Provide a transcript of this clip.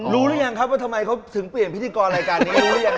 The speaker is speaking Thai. รู้หรือยังครับว่าทำไมเขาถึงเปลี่ยนพิธีกรรายการนี้